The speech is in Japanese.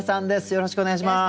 よろしくお願いします。